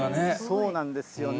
そうなんですよね。